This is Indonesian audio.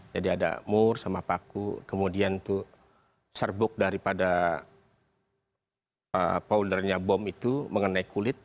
jadi ada mur sama paku kemudian itu serbuk daripada powdernya bom itu mengenai kulit